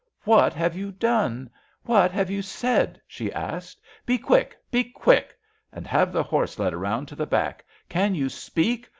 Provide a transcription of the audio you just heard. What have you done? What have you said?'* she asked. Be quick! Be quick I And have the horse led round to the back. Can you speak?